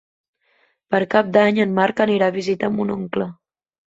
Per Cap d'Any en Marc anirà a visitar mon oncle.